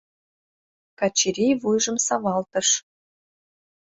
Качырий вуйжым савалтыш.